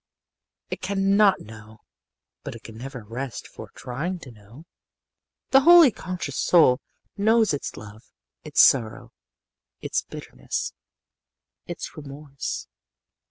It can not know, but it can never rest for trying to know. "The wholly conscious soul knows its love, its sorrow, its bitterness, its remorse.